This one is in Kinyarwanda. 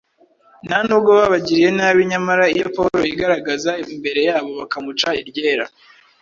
nta n’ubwo babagiriye nabi. Nyamara iyo Pawulo yigaragaza imbere yabo bakamuca iryera,